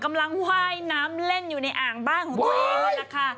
กำลังว่ายน้ำเล่นอยู่ในอ่างบ้านของพี่